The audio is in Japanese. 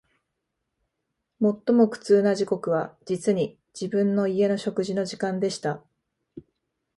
最も苦痛な時刻は、実に、自分の家の食事の時間でした